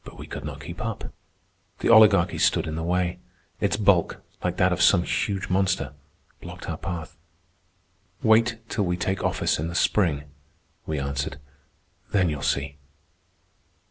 But we could not keep up. The Oligarchy stood in the way. Its bulk, like that of some huge monster, blocked our path. "Wait till we take office in the spring," we answered. "Then you'll see."